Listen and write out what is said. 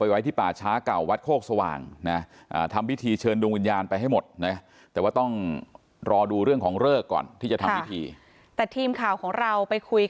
อาทิตย์ถามว่าจะทำยังไงต่อล่ะภ